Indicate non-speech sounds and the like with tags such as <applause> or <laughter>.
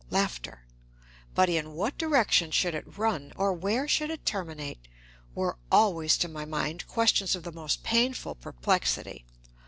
<laughs> But in what direction should it run, or where should it terminate, were always to my mind questions of the most painful perplexity.